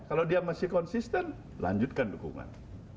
kalau dia masih konsisten lanjutkan dukungan